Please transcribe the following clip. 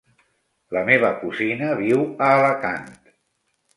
La meva cosina viu a Alacant.